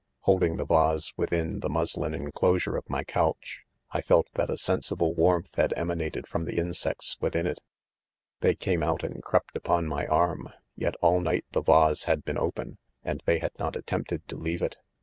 Holding the vase within the mus lin enclosure of my couch, I felt that a sensi ble warmth had emanated from the insects within it ; they came out and crept upon my arm, yet all night the vase had been open, and they had not attempted to lea¥e it.